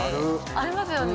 ありますよね。